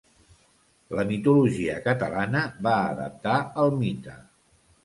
La mitologia catalana va adaptar el mite.